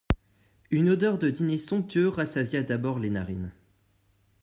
Une odeur de dîner somptueux rassasia d'abord les narines.